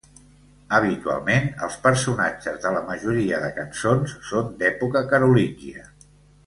Habitualment, els personatges de la majoria de cançons són d'època carolíngia.